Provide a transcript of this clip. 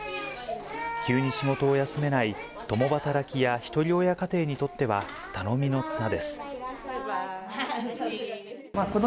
急に仕事を休めない共働きやひとり親家庭にとっては、頼みの綱でばいばい。